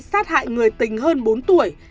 sát hại người tình hơn bốn tuổi